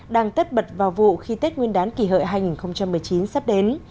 đang tất bật vào vụ khi tết nguyên đán kỷ hợi hai nghìn một mươi chín sắp đến